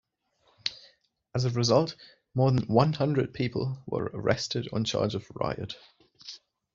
As a result, more than one hundred people were arrested on charge of riot.